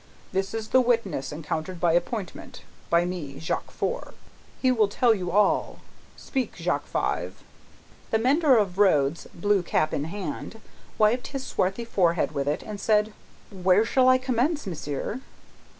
This is the witness encountered by appointment, by me, Jacques Four. He will tell you all. Speak, Jacques Five!" The mender of roads, blue cap in hand, wiped his swarthy forehead with it, and said, "Where shall I commence, monsieur?"